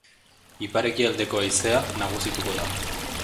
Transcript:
Ipar-ekialdeko haizea nagusituko da.